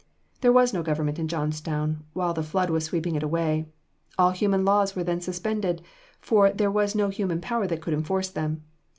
There was no government in Johnstown while the flood was sweeping it away. All human laws were then suspended, for there was no human power that could enforce them.